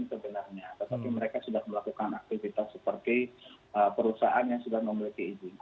sebenarnya tetapi mereka sudah melakukan aktivitas seperti perusahaan yang sudah memiliki izin